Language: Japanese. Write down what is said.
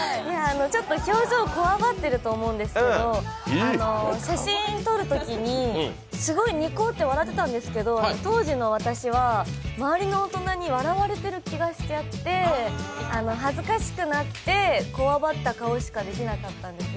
ちょっと表情こわばってると思うんですけど、写真を撮るときに、すごいニコッて笑ってたんですけど当時の私は周りの大人に笑われてる気がしちゃって、恥ずかしくなってこわばった顔しかできなかったんですね。